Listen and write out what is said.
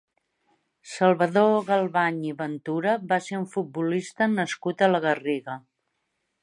Salvador Galvany i Ventura va ser un futbolista nascut a la Garriga.